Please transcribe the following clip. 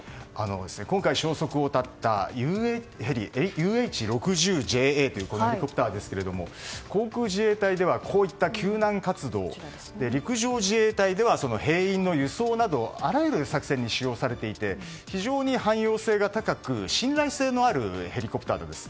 今回、消息を絶ったＵＨ６０ＪＡというこのヘリコプターですが航空自衛隊ではこういった救難活動陸上自衛隊では兵員の輸送などあらゆる作戦に使用されていて非常に汎用性が高く信頼性のあるヘリコプターだそうです。